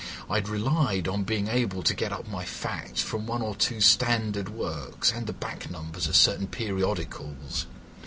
I had relied on being able to get up my facts from one or two standard works, and the back numbers of certain periodicals.